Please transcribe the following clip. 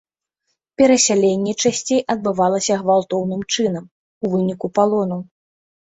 Перасяленне часцей адбывалася гвалтоўным чынам, у выніку палону.